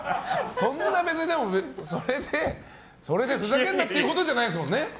そんな、別にそれでふざけんなってことじゃないですもんね。